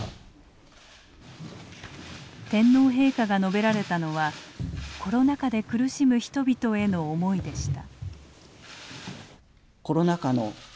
天皇陛下が述べられたのはコロナ禍で苦しむ人々への思いでした。